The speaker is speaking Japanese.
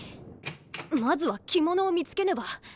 まずは着物を見つけねば。